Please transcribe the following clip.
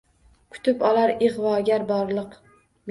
Kutib olar igʼvogar borliq.